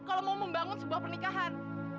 kalau mau membangun sebuah pernikahan